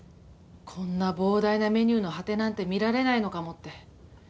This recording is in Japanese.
こんな膨大なメニューの果てなんて見られないのかもって。